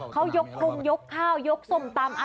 เขายกคงยกข้าวยกส้มตำ